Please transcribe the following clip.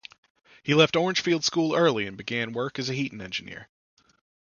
He left Orangefield School early and began work as a heating engineer.